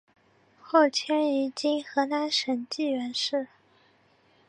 后迁于今河南省济源市。